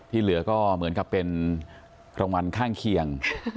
เหลือก็เหมือนกับเป็นรางวัลข้างเคียง